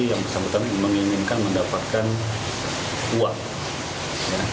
yang bersangkutan menginginkan mendapatkan uang